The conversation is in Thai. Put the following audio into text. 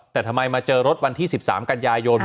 แต่ทำไมมาเจอรถวันที่๑๓กันยายน